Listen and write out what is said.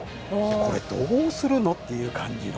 これ、どうするのという感じの。